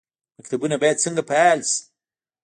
مکتبونه باید څنګه فعال شي؟